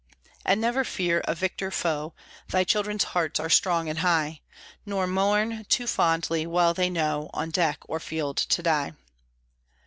And never fear a victor foe Thy children's hearts are strong and high; Nor mourn too fondly; well they know On deck or field to die.